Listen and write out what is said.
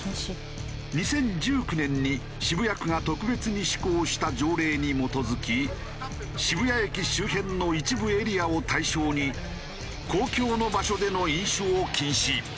２０１９年に渋谷区が特別に施行した条例に基づき渋谷駅周辺の一部エリアを対象に公共の場所での飲酒を禁止。